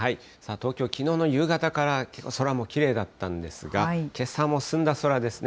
東京、きのうの夕方から空もきれいだったんですが、けさも澄んだ空ですね。